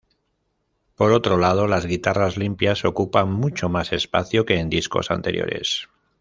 Por otro lado, las guitarras limpias ocupan mucho más espacio que en discos anteriores.